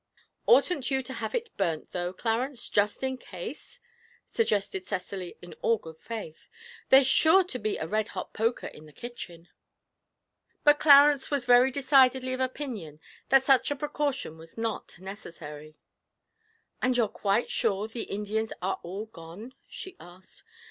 'Oughtn't you to have it burnt, though, Clarence, just in case?' suggested Cecily, in all good faith; 'there's sure to be a red hot poker in the kitchen.' But Clarence was very decidedly of opinion that such a precaution was not necessary. 'And you're quite sure the Indians are all gone?' she asked.